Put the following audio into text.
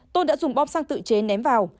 tôn đã dùng bom xăng tự chế ném vào